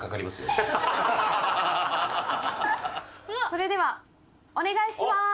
それではお願いします。